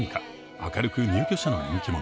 明るく入居者の人気者。